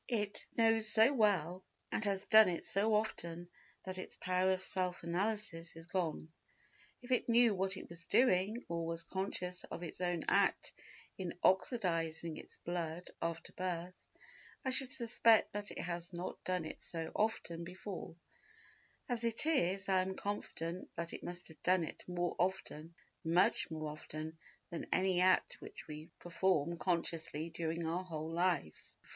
It knows so well and has done it so often that its power of self analysis is gone. If it knew what it was doing, or was conscious of its own act in oxidising its blood after birth, I should suspect that it had not done it so often before; as it is I am confident that it must have done it more often—much more often—than any act which we perform consciously during our whole lives.